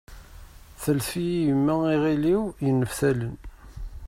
Teltef-iyi yemma iɣil-iw yenneftalen.